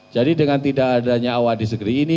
jadi dengan tidak adanya aoa disagree ini